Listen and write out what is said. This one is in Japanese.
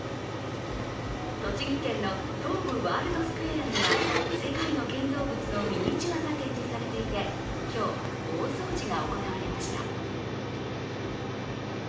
栃木県の東武ワールドスクウェアには世界の建造物のミニチュアが展示されていて今日、大掃除が行われました。